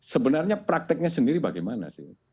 sebenarnya prakteknya sendiri bagaimana sih